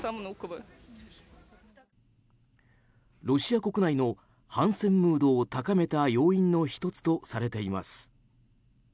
ロシア国内の反戦ムードを高めた要因の１つとされています。